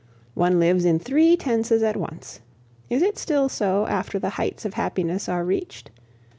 One lives in three tenses at once. Is it still so after the heights of happiness are reached?